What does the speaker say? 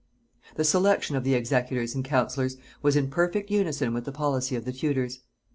The selection of the executors and counsellors was in perfect unison with the policy of the Tudors.